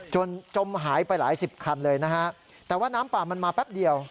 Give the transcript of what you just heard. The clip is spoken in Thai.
จมหายไปหลายสิบคันเลยนะฮะแต่ว่าน้ำป่ามันมาแป๊บเดียว